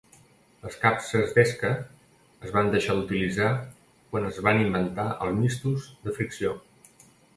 Les capses d'esca es van deixar d'utilitzar quan es van inventar els mistos de fricció.